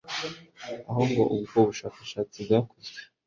aho ngo ubwo bushakashatsi bwakozwe